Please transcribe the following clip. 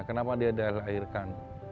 kenapa dia dilahirkan